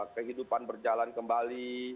kehidupan berjalan kembali